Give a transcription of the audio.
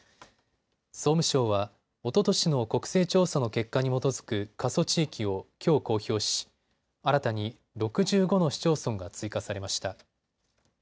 総務省はおととしの国勢調査の結果に基づく過疎地域を、きょう公表し新たに６５の市町村が追加されました。